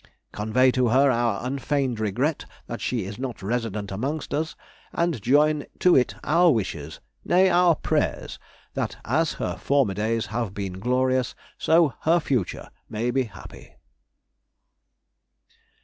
Convey to her our unfeigned regret that she is not resident amongst us; and join to it our wishes, nay our prayers, that as her former days have been glorious, so her future may be happy.